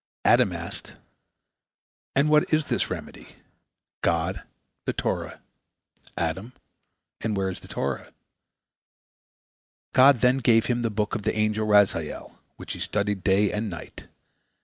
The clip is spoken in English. Adam asked, "And what is this remedy?" God: "The Torah." Adam: "And where is the Torah?" God then gave him the book of the angel Raziel, which he studied day and night.